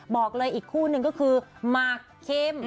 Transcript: บอกเลยอีกคู่หนึ่งก็คือหมากเค็ม